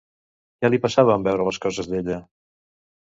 Què li passava en veure les coses d'ella?